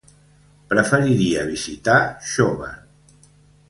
Preferiria visitar Xóvar.